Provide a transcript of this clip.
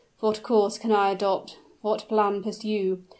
What course can I adopt? what plan pursue?